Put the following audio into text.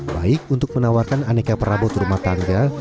baik untuk menawarkan aneka perabot rumah tangga